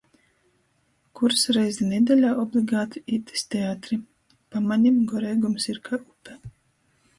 Kurs reizi nedeļā obligati īt iz teatri. Pa manim, goreigums ir kai upe.